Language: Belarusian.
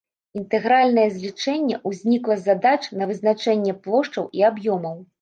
Інтэгральнае злічэнне ўзнікла з задач на вызначэнне плошчаў і аб'ёмаў.